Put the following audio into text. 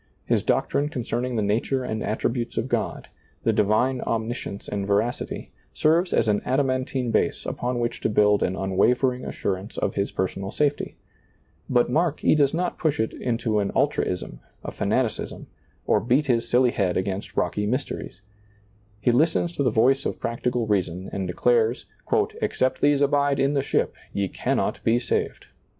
His doctrine concerning the nature and attributes ^lailizccbvGoOgle PAUL ABOARD 115 of God, the divine omniscience and veracity, serves as an adamantine base upon which to build an unwavering assurance of his personal safety; but mark, he does not push it into an ultraism, a fanaticism, or beat his silly head against rocky mysteries ; he listens to the voice of practical rea son and declares, " Except these abide in the ship, ye cannot be saved."